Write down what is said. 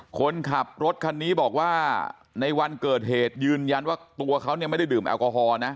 คนขับรถคันนี้บอกว่าในวันเกิดเหตุยืนยันว่าตัวเขาเนี่ยไม่ได้ดื่มแอลกอฮอล์นะ